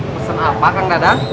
pesen apa kandang